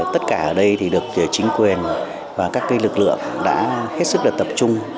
tất cả ở đây thì được chính quyền và các lực lượng đã hết sức tập trung